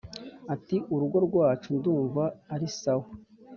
uti: «urugo rwacu ndumva ari sawa